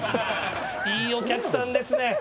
いいお客さんですね。